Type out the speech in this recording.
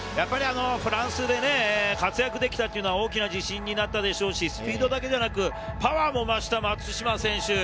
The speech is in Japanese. フランスで活躍できたというのは大きな自信になったでしょうし、スピードだけではなくパワーも増した松島選手。